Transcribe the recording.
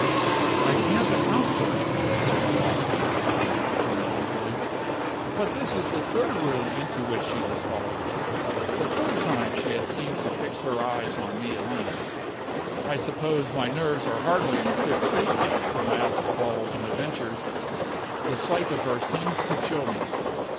"I can't account for it," said Fabio, looking round him uneasily; "but this is the third room into which she has followed me the third time she has seemed to fix her eyes on me alone. I suppose my nerves are hardly in a fit state yet for masked balls and adventures; the sight of her seems to chill me.